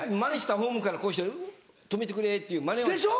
ホームからこうして止めてくれっていうマネは。でしょ？